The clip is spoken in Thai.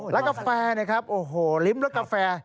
หารกาแฟเนี่ยครับโอ้โหลิ้มเลือกกาแฟ